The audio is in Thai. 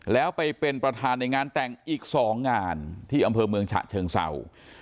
แล้วไปเป็นประธานในงานแต่งอีก๒งานที่อำเภอเมืองฉะเชิงเศร้า